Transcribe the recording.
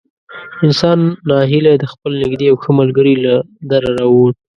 انسان نا هیلی د خپل نږدې او ښه ملګري له دره را ووت.